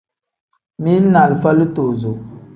Mili ni alifa litozo.